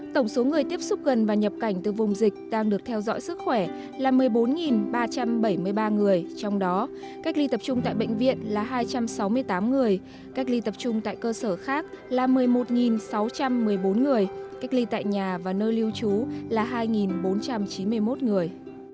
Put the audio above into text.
tổng số người tiếp xúc gần và nhập cảnh từ vùng dịch đang được theo dõi sức khỏe là một mươi bốn ba trăm bảy mươi ba người trong đó cách ly tập trung tại bệnh viện là hai trăm sáu mươi tám người cách ly tập trung tại cơ sở khác là một mươi một sáu trăm một mươi bốn người cách ly tại nhà và nơi lưu trú là hai bốn trăm chín mươi một người